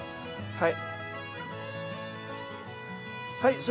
はい。